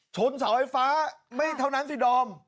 เสาไฟฟ้าไม่เท่านั้นสิดอม